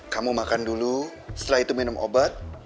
kamu makan dulu setelah itu minum obat